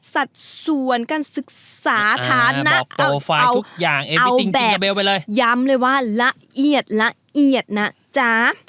สัดส่วนการศึกษาฐานะเอาแต่ย้ำเลยว่าละเอียดละเอียดนะจ๊ะ